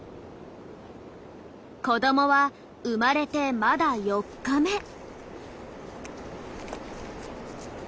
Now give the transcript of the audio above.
子どもは生まれてまだ４日目。